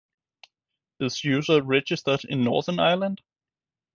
Is user registered in Northern Ireland?